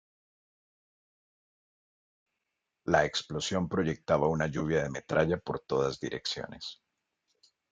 La explosión proyectaba una lluvia de metralla por todas direcciones.